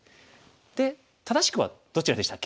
で正しくはどちらでしたっけ？